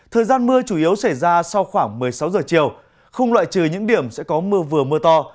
thời gian mưa chủ yếu xảy ra sau khoảng một mươi sáu giờ chiều không loại trừ những điểm sẽ có mưa vừa mưa to